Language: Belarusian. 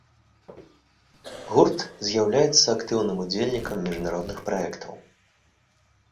Гурт з'яўляецца актыўным удзельнікам міжнародных праектаў.